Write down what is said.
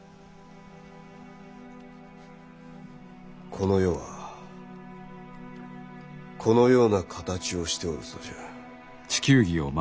この世はこのような形をしておるそうじゃ。